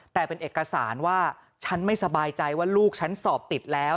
แต่เป็นเอกสารว่าฉันไม่สบายใจว่าลูกฉันสอบติดแล้ว